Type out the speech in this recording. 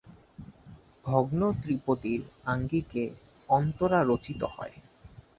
ভগ্ন ত্রিপদীর আঙ্গিকে অন্তরা রচিত হয়।